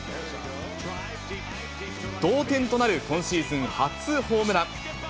同点となる今シーズン初ホームラン。